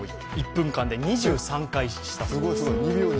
１分間で２３回したそうです。